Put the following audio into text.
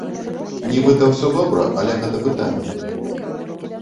Нібыта ўсё добра, але гэта пытанне.